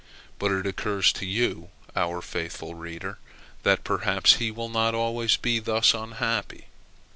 But it occurs to you, our faithful reader, that perhaps he will not always be thus unhappy.